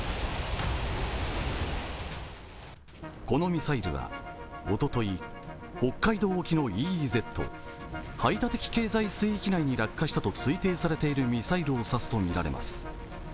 このミサイルは、おととい、北海道沖のＥＥＺ＝排他的経済水域内に落下したと推定されているミサイルを指すとみられます。